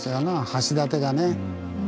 橋立がね。